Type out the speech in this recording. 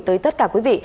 tới tất cả quý vị